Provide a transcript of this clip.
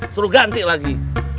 suruh ganti lagi